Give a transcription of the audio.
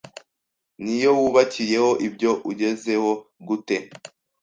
Ni yo wubakiyeho ibyo ugezeho? Gute